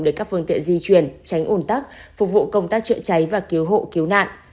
để các phương tiện di chuyển tránh ồn tắc phục vụ công tác chữa cháy và cứu hộ cứu nạn